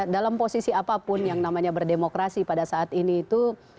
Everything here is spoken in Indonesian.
dalam posisi apapun yang namanya berdemokrasi pada saat ini itu